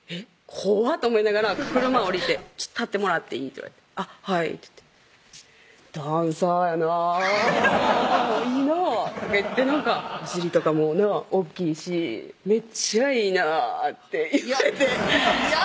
怖っと思いながら車降りて「立ってもらっていい？」って言われて「はい」って言って「ダンサーやないいなぁ」とか言って「お尻とかもなぁ大っきいしめっちゃいいなぁ」って言われて嫌！